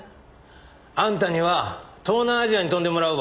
あんたには東南アジアに飛んでもらうわ。